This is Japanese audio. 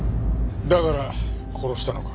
だから殺したのか？